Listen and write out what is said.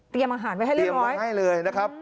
เตรียมอาหารไปให้เรื่องร้อยเตรียมมาให้เลยนะครับ